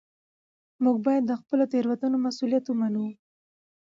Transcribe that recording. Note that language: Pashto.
موږ باید د خپلو تېروتنو مسوولیت ومنو